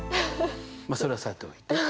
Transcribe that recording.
まあそれはさておいて。